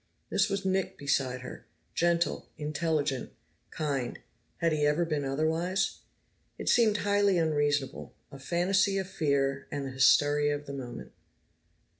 This was Nick beside her, gentle, intelligent, kind; had he ever been otherwise? It seemed highly unreasonable, a fantasy of fear and the hysteria of the moment.